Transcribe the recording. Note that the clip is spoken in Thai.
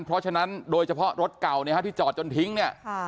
เพราะฉะนั้นโดยเฉพาะรถเก่าเนี่ยฮะที่จอดจนทิ้งเนี่ย